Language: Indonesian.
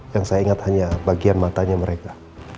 yang saya ingat hanya bagian matanya mereka